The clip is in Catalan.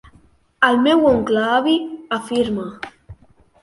El meu oncle avi, afirma.